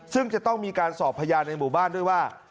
ซึ่งจะต้องมีการสอบพยานในหมู่บ้านด้วยว่า